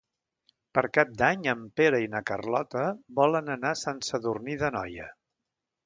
Per Cap d'Any en Pere i na Carlota volen anar a Sant Sadurní d'Anoia.